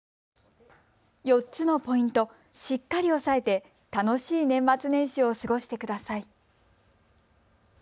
４つのポイント、しっかり抑えて楽しい年末年始を過ごしてください。